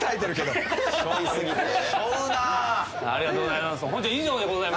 ありがとうございます。